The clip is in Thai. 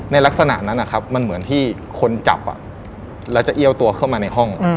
ลักษณะนั้นนะครับมันเหมือนที่คนจับแล้วจะเอี้ยวตัวเข้ามาในห้อง